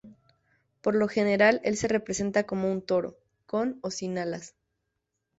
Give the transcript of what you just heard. Por lo general, El se representa como un toro, con o sin alas.